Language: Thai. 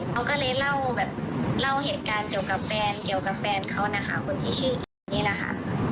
เขาก็เลยเล่าแบบเล่าเหตุการณ์เกี่ยวกับแฟนเกี่ยวกับแฟนเขานะคะคนที่ชื่อเอ็มนี่แหละค่ะ